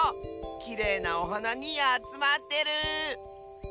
きれいなおはなにあつまってる！